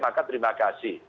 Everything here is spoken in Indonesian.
maka terima kasih